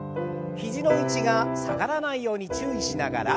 肘の位置が下がらないように注意しながら。